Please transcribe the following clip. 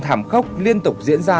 thảm khốc liên tục diễn ra